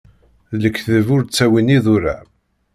D lekdeb ur ttawin idurar.